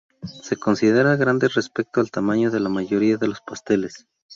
Se considera grande respecto al tamaño de la mayoría de los pasteles.